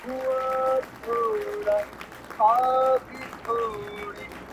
د سبا نری شماله د خدای روی مي دی دروړی،